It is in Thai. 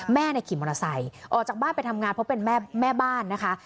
แม่ขี่มอเตอร์ไซค์ออกจากบ้านไปทำงานเพราะเป็นแม่บ้านนะคะ